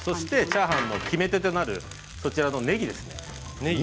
チャーハンの決め手となる、ねぎですね。